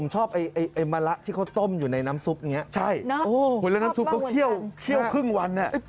หมารุ่นเข้าปากแล้วนะ